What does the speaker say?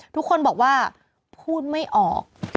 ทุกคนบอกว่าพูดไม่ออก